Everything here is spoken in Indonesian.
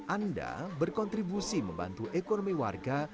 anda berkontribusi membantu ekonomi warga